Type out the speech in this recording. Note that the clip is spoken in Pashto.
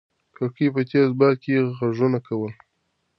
کړکۍ په تېز باد کې غږونه کول.